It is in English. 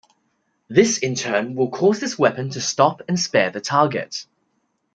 This in turn will cause this weapon to stop and spare the target.